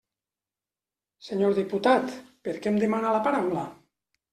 Senyor diputat, per què em demana la paraula?